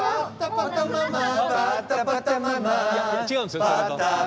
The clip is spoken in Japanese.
違うんですよ